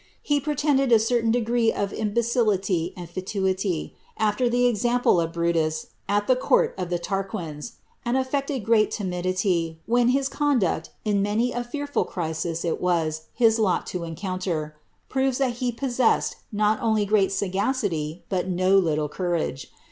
He pretended a certain degree of im becility and fatuity — afler the example of Brutus, at the court of the Tarquins— and aflected great timidity, when his conduct, in many a fearful crisis it was his lot to encounter, proves that he possessed not only great sagacity, but no little courage.